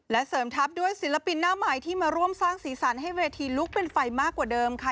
เสริมทัพด้วยศิลปินหน้าใหม่ที่มาร่วมสร้างสีสันให้เวทีลุกเป็นไฟมากกว่าเดิมค่ะ